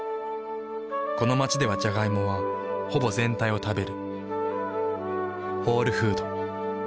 この街ではジャガイモはほぼ全体を食べる。